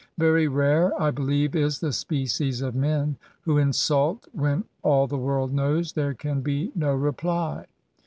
Very rare, I believe, is the species of men who insult when all the world knows there can be no reply.